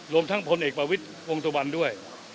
รวมทั้งพลเอกประวิทย์วงสุวรรณด้วย